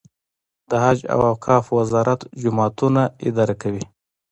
د حج او اوقافو وزارت جوماتونه اداره کوي